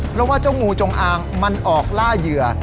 เพราะว่าเจ้างูจงอางมันออกล่าเหยื่อ